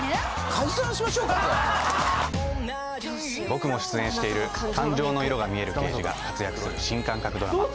僕も出演している感情の色が見える刑事が活躍する新感覚ドラマ